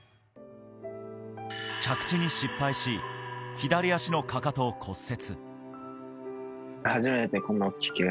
着地に失敗し、左足のかかとを骨折。